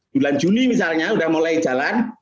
bulan juni misalnya sudah mulai jalan